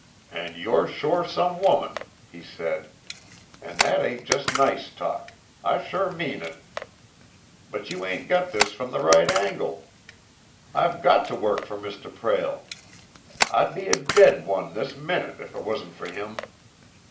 "And you're sure some woman!" he said. "And that ain't just nice talk I sure mean it! But you ain't got this from the right angle. I've got to work for Mr. Prale. I'd be a dead one this minute if it wasn't for him.